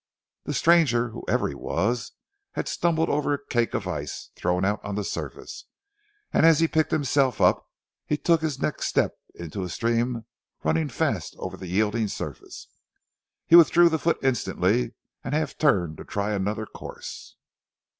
The stranger, whoever he was, had stumbled over a cake of ice thrown out on the surface, and as he picked himself up, he took his next step into a stream running fast over the yielding surface. He withdrew the foot instantly and half turned to try another course.